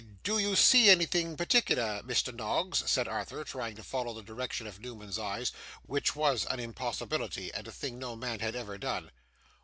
'Do you see anything particular, Mr. Noggs?' said Arthur, trying to follow the direction of Newman's eyes which was an impossibility, and a thing no man had ever done.